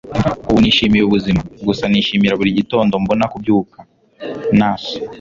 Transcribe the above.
ubu nishimiye ubuzima. gusa nishimira buri gitondo mbona kubyuka. - nas